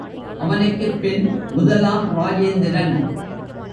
அவனுக்குப் பின், முதலாம் இராஜேந்திரன்.